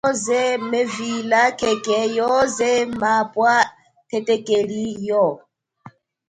Mweswe yoze mevila khekhe yoze mapwa thethekeli yo.